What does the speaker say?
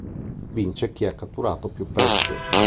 Vince chi ha catturato più pezzi.